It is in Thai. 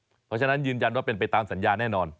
เพราะฉะนั้นยืนยันว่าเป็นไปตามสัญญาแน่นอน